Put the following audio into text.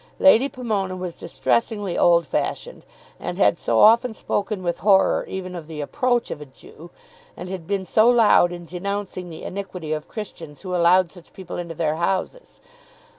Lady Pomona was distressingly old fashioned, and had so often spoken with horror even of the approach of a Jew, and had been so loud in denouncing the iniquity of Christians who allowed such people into their houses!